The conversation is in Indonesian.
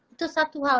itu satu hal